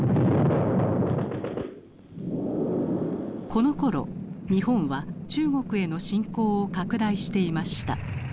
このころ日本は中国への侵攻を拡大していました。